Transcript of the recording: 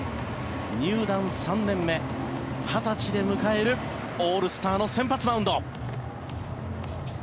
入団３年目、２０歳で迎えるオールスターの先発マウンド。